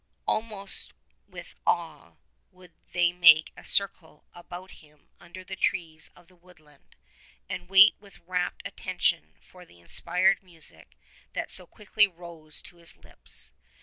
Al most with awe would they make a circle about him under the trees of the woodland, and wait with rapt attention for the inspired music that so quickly rose to his lips.